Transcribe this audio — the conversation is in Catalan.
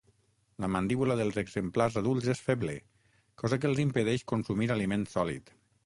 La mandíbula dels exemplars adults és feble, cosa que els impedeix consumir aliment sòlid.